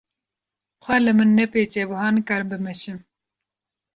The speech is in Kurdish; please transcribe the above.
Xwe li min nepêçe wiha nikarim bimeşim.